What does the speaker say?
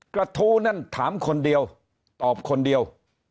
กระทู้นั่นถามคนเดียวตอบคนเดียว